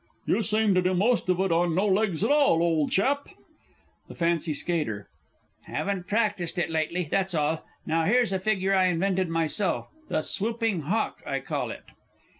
You seem to do most of it on no legs at all, old chap! THE F. S. Haven't practised it lately, that's all. Now here's a figure I invented myself. "The Swooping Hawk" I call it.